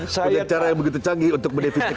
pada cara yang begitu canggih untuk mendefinisikan